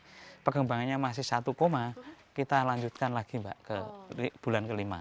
jadi perkembangannya masih satu koma kita lanjutkan lagi mbak ke bulan ke lima